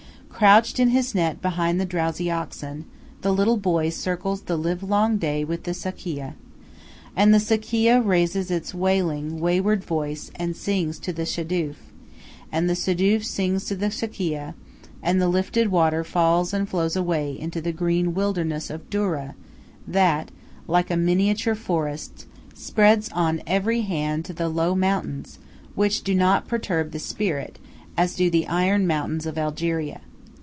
Crouched in his net behind the drowsy oxen, the little boy circles the livelong day with the sakieh. And the sakieh raises its wailing, wayward voice and sings to the shadoof; and the shadoof sings to the sakieh; and the lifted water falls and flows away into the green wilderness of doura that, like a miniature forest, spreads on every hand to the low mountains, which do not perturb the spirit, as do the iron mountains of Algeria.